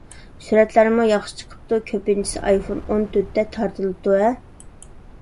سۈرەتلەرمۇ ياخشى چىقىپتۇ، كۆپىنچىسى ئايفون ئون تۆتتە تارتىلىپتۇ-ھە؟